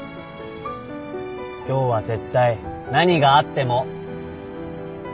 今日は絶対何があっても。